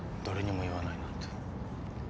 誰にも言わないなんて。